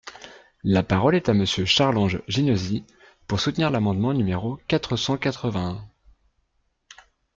La parole est à Monsieur Charles-Ange Ginesy, pour soutenir l’amendement numéro quatre cent quatre-vingt-un.